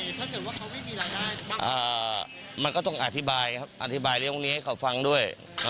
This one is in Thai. ถ้าเกิดว่าเขาไม่มีรายได้บ้างมันก็ต้องอธิบายครับอธิบายเรื่องนี้ให้เขาฟังด้วย